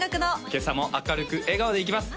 今朝も明るく笑顔でいきます！